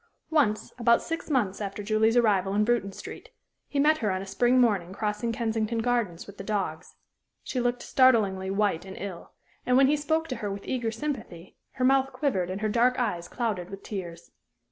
Once, about six months after Julie's arrival in Bruton Street, he met her on a spring morning crossing Kensington Gardens with the dogs. She looked startlingly white and ill, and when he spoke to her with eager sympathy her mouth quivered and her dark eyes clouded with tears.